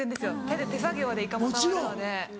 手で手作業でいかも触るので。